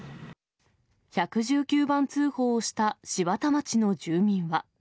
１１９番通報をした柴田町の住民は。